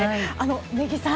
根木さん